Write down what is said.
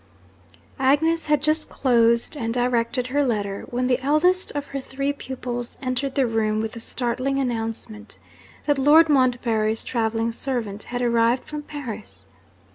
Agnes had just closed and directed her letter, when the eldest of her three pupils entered the room with the startling announcement that Lord Montbarry's travelling servant had arrived from Paris!